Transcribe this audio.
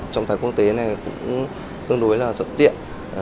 trọng tài quốc tế này cũng tương đối là thuận tiện